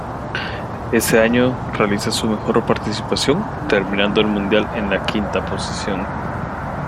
Ese año realiza su mejor participación, terminando el mundial en la quinta posición.